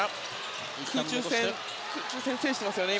空中戦を制していますね。